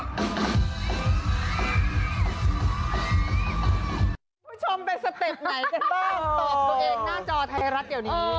คุณผู้ชมเป็นสเต็ปไหนกันบ้างตอบตัวเองหน้าจอไทยรัฐเดี๋ยวนี้